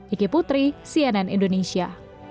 iki putri cnn indonesia